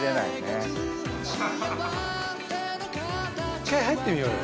１回入ってみようよ。